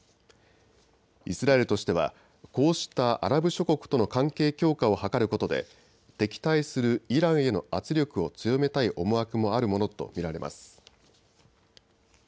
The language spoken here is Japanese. イスラエルとしてはこうしたアラブ諸国との関係強化を図ることで敵対するイランへの圧力を強めたい思惑もあるものと見られます。